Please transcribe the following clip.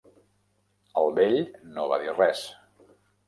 El vell no va dir res.